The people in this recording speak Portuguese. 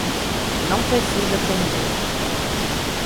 Não precisa ter medo.